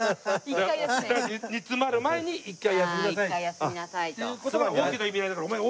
煮詰まる前に一回休みなさいという事が大きな意味合いだからお前大きなやつあるよほら。